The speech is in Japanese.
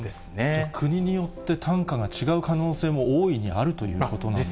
じゃあ、国によって単価が違う可能性も大いにあるということなんですね。